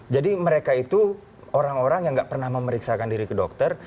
jadi mereka itu orang orang yang tidak pernah memeriksakan diri ke dokter